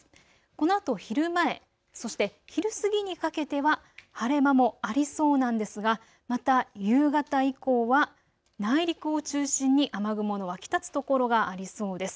このあと昼前、そして昼過ぎにかけては晴れ間もありそうなんですが、また夕方以降は内陸を中心に雨雲の湧き立つところがありそうです。